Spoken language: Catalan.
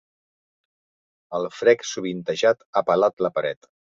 El frec sovintejat ha pelat la paret.